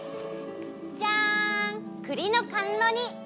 じゃんくりのかんろ煮！